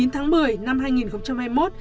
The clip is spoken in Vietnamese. từ ngày chín tháng một mươi năm hai nghìn hai mươi một